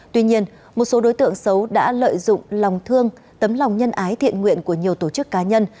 tuy nhiên một số đối tượng xấu đã lợi dụng lòng thương tấm lòng nhân ái thiện nguyện của nhiều tổ chức cá nhân